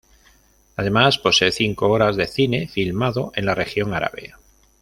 Además, posee cinco horas de cine filmado en la región árabe.